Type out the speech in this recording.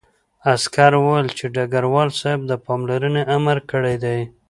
عسکر وویل چې ډګروال صاحب د پاملرنې امر کړی دی